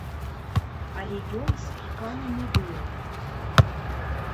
Але ён скліканы не быў.